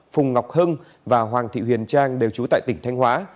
phùng ngọc hưng và hoàng thị huyền trang đều trú tại tỉnh thanh hóa